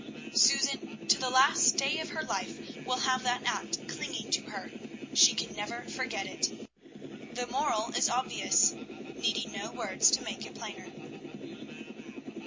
Susan to the last day of her life will have that act clinging to her. She can never forget it. The moral is obvious, needing no words to make it plainer.